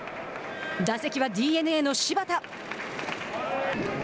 打席はＤｅＮＡの柴田。